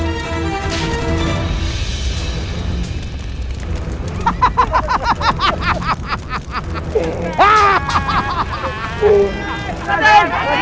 sebat apa ilmu kian santang